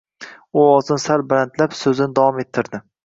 U ovozini sal balandlab so’zini davom ettirdi.